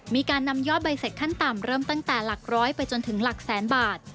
มีการนำยอดใบเสร็จขั้นต่ำเริ่มตั้งแต่หลักร้อยไปจนถึงหลักแสนบาท